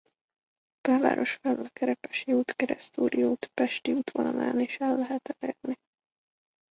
A belváros felől a Kerepesi út-Keresztúri út-Pesti út vonalán is el lehet elérni.